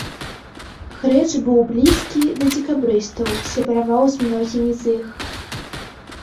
Грэч быў блізкі да дзекабрыстаў, сябраваў з многімі з іх.